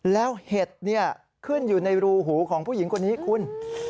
แล้วเห็ดขึ้นอยู่ในรูหูของผู้หญิงคนนี้คุณ